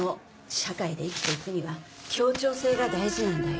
社会で生きて行くには協調性が大事なんだよ。